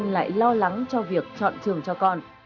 lại lo lắng cho việc chọn trường cho con